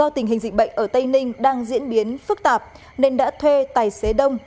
do tình hình dịch bệnh ở tây ninh đang diễn biến phức tạp nên đã thuê tài xế đông